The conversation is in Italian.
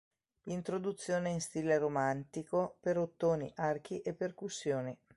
Introduzione in stile romantico per ottoni, archi e percussioni.